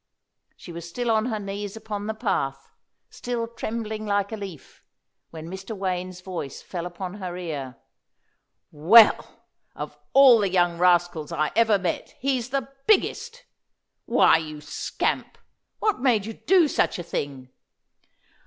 She was still on her knees upon the path, still trembling like a leaf, when Mr. Wayne's voice fell upon her ear. "Well, of all the young rascals I ever met, he's the biggest! Why, you scamp, what made you do such a thing?"